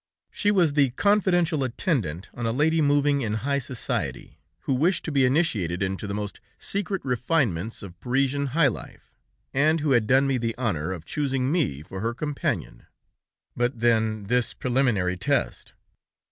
"She was the confidential attendant on a lady moving in high society, who wished to be initiated into the most secret refinements of Parisian high life, and who had done me the honor of choosing me for her companion. But then, this preliminary test!